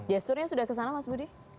gesturnya sudah kesana mas budi